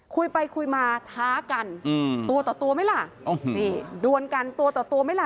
คุยไปคุยมาท้ากันตัวต่อตัวไหมล่ะดวนกันตัวต่อตัวไหมล่ะ